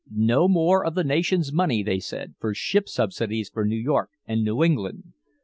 'No more of the nation's money,' they said, 'for ship subsidies for New York and New England!'